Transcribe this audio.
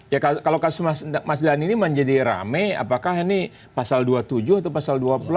ya kalau kasus mas dhani ini menjadi rame apakah ini pasal dua puluh tujuh atau pasal dua puluh delapan